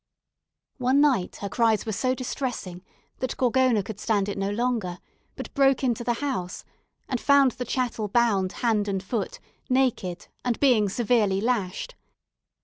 One night her cries were so distressing, that Gorgona could stand it no longer, but broke into the house and found the chattel bound hand and foot, naked, and being severely lashed.